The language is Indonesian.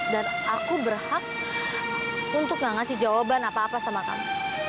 dan aku berhak untuk nggak ngasih jawaban apa apa sama kamu